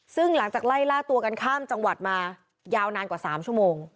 ซึ่งหลังจากไล่ล่าตัวกันข้ามจังหวัดมายาวนานกว่า๓ชั่วโมง